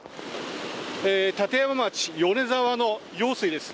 立山町米沢の用水です。